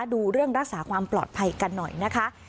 ดูเรื่องรักษาความปลอดภัยกันหน่อยนะคะ